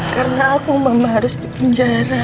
karena aku mama harus dipenjara